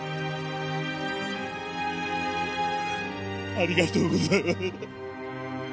ありがとうございます。